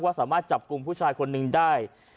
สามารถจับกลุ่มผู้ชายคนหนึ่งได้